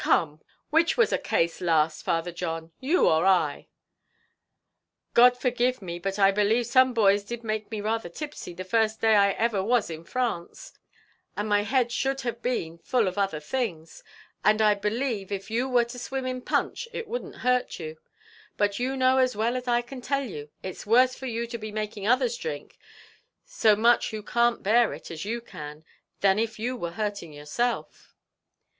Come, which was a case last, Father John you or I?" "God forgive me, but I believe some boys did make me rather tipsy the first day I ever was in France; and my head should have been full of other things; and I believe if you were to swim in punch it wouldn't hurt you; but you know as well as I can tell you, it's worse for you to be making others drink so much who can't bear it as you can, than if you were hurting yourself."